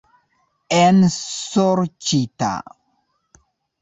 Ensorĉita!